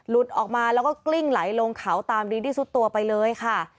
ออกมาแล้วก็กลิ้งไหลลงเขาตามดีที่สุดตัวไปเลยค่ะ